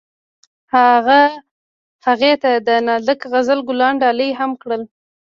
هغه هغې ته د نازک غزل ګلان ډالۍ هم کړل.